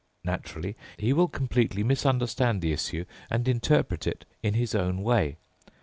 Naturally, he will completely misunderstand the issue and interpret it in his own way.